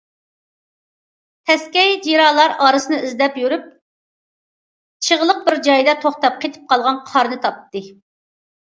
تەسكەي جىرالار ئارىسىنى ئىزدەپ يۈرۈپ، چىغلىق بىر جايدا توختاپ قېتىپ قالغان قارنى تاپتى.